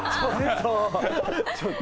ちょっと。